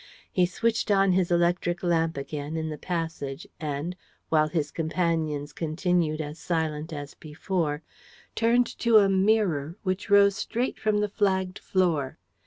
He switched on his electric lamp again in the passage and, while his companions continued as silent as before, turned to a mirror which rose straight from the flagged floor.